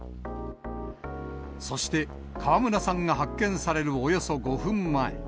そして、川村さんが発見されるおよそ５分前。